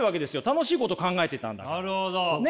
楽しいこと考えてたんだから。